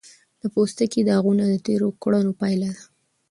د پوستکي داغونه د تېرو کړنو پایله ده.